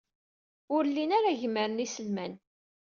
Ur llin ara gemmren iselman.